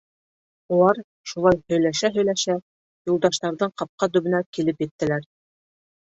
Улар, шулай һөйләшә-һөйләшә, Юлдаштарҙың ҡапҡа төбөнә килеп еттеләр.